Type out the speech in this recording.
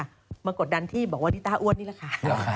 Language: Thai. เดี๋ยวมากดดันที่บอกว่าตอะอ้วนนี่แหละคะ